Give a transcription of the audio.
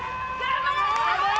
頑張れ。